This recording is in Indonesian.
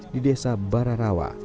di desa bararawa